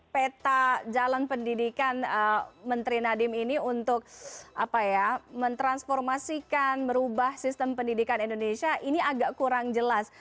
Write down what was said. peta jalan pendidikan menteri nadiem ini untuk mentransformasikan merubah sistem pendidikan indonesia ini agak kurang jelas